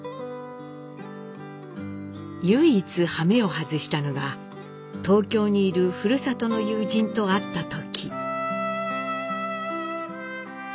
唯一はめを外したのが東京にいるふるさとの友人と会った時。